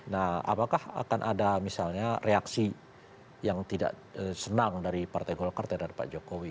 nah apakah akan ada misalnya reaksi yang tidak senang dari partai golkar terhadap pak jokowi